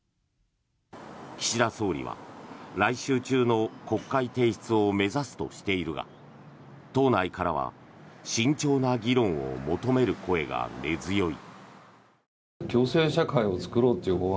岸田総理は来週中の国会提出を目指すとしているが党内からは慎重な議論を求める声が根強い。